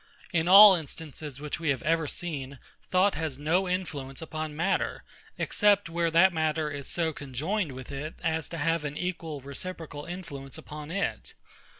In all instances which we have ever seen, thought has no influence upon matter, except where that matter is so conjoined with it as to have an equal reciprocal influence upon it.